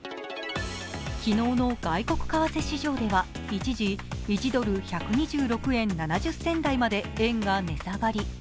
昨日の外国為替市場では一時、１ドル＝１２６円７０銭台まで円が値下がり。